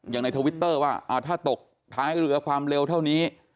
ในทวิตเตอร์ว่าถ้าตกท้ายเรือความเร็วเท่านี้